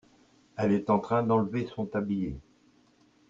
elle est en train d'enlever son tablier.